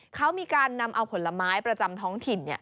เขามีการนำเอาผลไม้ประจำท้องถิ่น